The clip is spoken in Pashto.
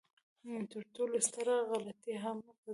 تر ټولو ستره غلطي هغه ده.